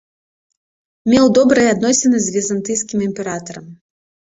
Меў добрыя адносіны з візантыйскім імператарам.